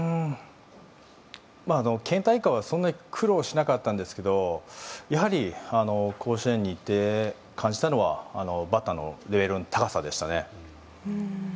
県大会は、そんなに苦労しなかったんですけどやはり甲子園に行って感じたのはバッターのレベルの高さでしたね。